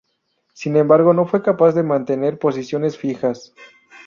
Sin embargo, no fue capaz de mantener posiciones fijas.